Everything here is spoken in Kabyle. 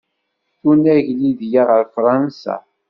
Tunag Lidya ɣer Fransa.